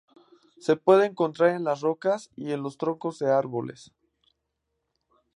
Se puede encontrar en las rocas y los troncos de árboles.